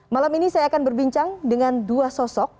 malam ini saya akan berbincang dengan dua sosok